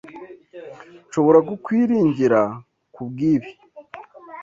Nshobora kukwiringira kubwibi?